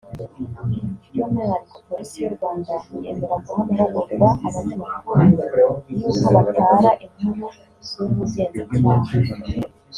by’umwihariko Polisi y’u Rwanda yemera guha amahugurwa abanyamakuru y’uko batara inkuru z’ubugenzacyaha